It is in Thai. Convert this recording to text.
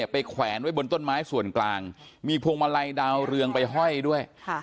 แขวนไว้บนต้นไม้ส่วนกลางมีพวงมาลัยดาวเรืองไปห้อยด้วย